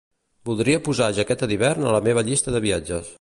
Voldria posar jaqueta d'hivern a la meva llista de viatges.